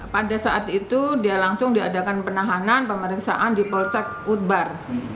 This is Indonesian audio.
pada saat itu dia langsung diadakan penahanan pemeriksaan di polsek utbar